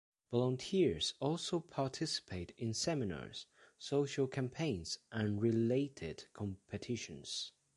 Volunteers also participate in seminars, social campaigns and related competitions.